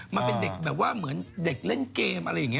มันเป็นเด็กแบบว่าเหมือนเด็กเล่นเกมอะไรอย่างนี้